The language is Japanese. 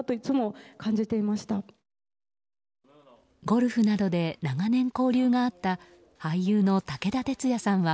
ゴルフなどで長年交流があった俳優の武田鉄矢さんは